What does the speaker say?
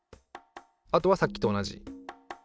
あとはさっきと同じ。